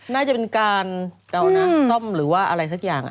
น่าจะเป็นการเอาน้ำซ่อมหรือว่าอะไรสักอย่าง